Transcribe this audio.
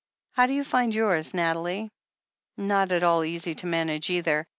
... How do you find yours, Nathalie?" "Not at all easy to manage, either.